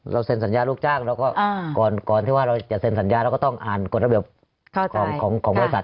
เซ็นสัญญาลูกจ้างเราก็ก่อนที่ว่าเราจะเซ็นสัญญาเราก็ต้องอ่านกฎระเบียบของบริษัท